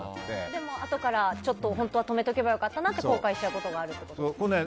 でも、あとからちょっと本当は止めておけば良かったなって後悔しちゃうことがあるってことですね。